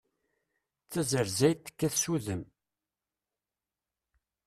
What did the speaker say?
D tazerzayt tekkat s udem.